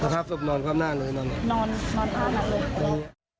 พระครับสมนอนความน่าเลยนอนทางหลังเลย